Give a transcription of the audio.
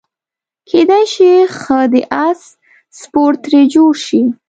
کیدای شي ښه د اس سپور ترې جوړ شي.